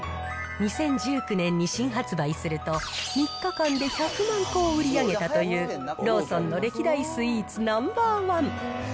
２０１９年に新発売すると、３日間で１００万個を売り上げたというローソンの歴代スイーツナンバー１。